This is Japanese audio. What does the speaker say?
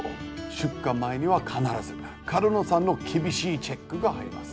出荷前には必ず角野さんの厳しいチェックが入ります。